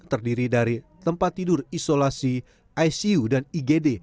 terdiri dari tempat tidur isolasi icu dan igd